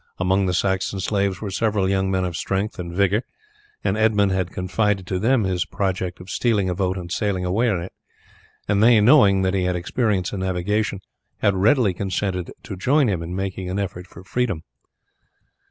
Among the Saxon slaves were several young men of strength and vigour, and Edmund had confided to them his project of stealing a boat and sailing away in it, and they, knowing that he had experience in navigation, had readily consented to join him in making an effort for freedom.